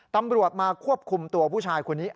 ตำรวจมาควบคุมตัวผู้ชายคนนี้